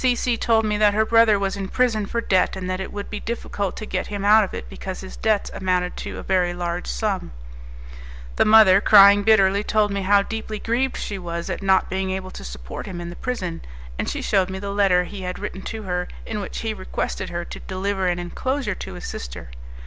C C told me that her brother was in prison for debt, and that it would be difficult to get him out of it because his debts amounted to a very large sum. The mother, crying bitterly, told me how deeply grieved she was at not being able to support him in the prison, and she shewed me the letter he had written to her, in which he requested her to deliver an enclosure to his sister.